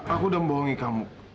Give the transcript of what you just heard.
aku udah membohongi kamu